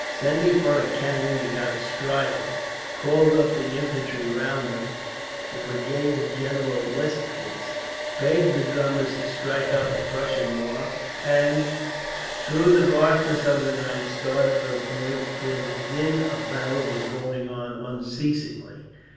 Sending for a cannon, he got astride of it, called up the infantry round him the brigade of General Lestwitz begged the drummers to strike up the Prussian march and, through the blackness of the night, started for the point where the din of battle was going on unceasingly.